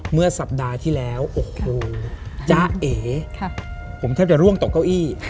เมื่อสัปดาห์ที่แล้วโอ้โหจ๊ะเอผมแทบจะร่วงตกเก้าอี้